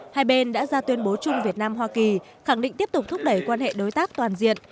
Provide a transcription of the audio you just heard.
hai bên đã ra tuyên bố chung việt nam hoa kỳ khẳng định tiếp tục thúc đẩy quan hệ đối tác toàn diện